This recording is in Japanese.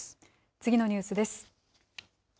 次のニュースです。